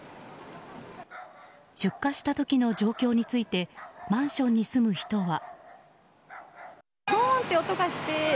出火した時の状況についてマンションに住む人は。